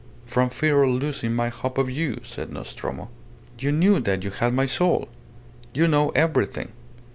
"From fear of losing my hope of you," said Nostromo. "You knew that you had my soul! You know everything!